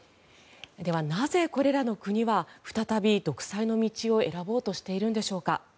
では、なぜこれらの国は再び独裁への道を選ぼうとしているのでしょうか。